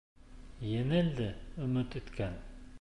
Еңелде өмөт иткән